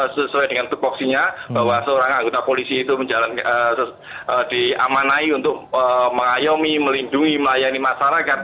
sesuai dengan tupoksinya bahwa seorang anggota polisi itu diamanai untuk mengayomi melindungi melayani masyarakat